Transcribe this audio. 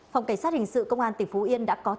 phòng cảnh sát hình sự công an tỉnh phú yên đã có thông tin